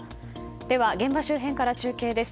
では現場周辺から中継です。